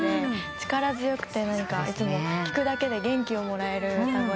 力強くていつも聴くだけで元気をもらえる歌声で。